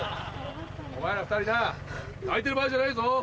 お前ら２人な泣いてる場合じゃないぞ。